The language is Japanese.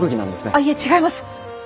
あいえ違います！